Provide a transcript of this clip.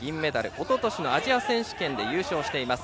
おととしのアジア選手権で優勝しています。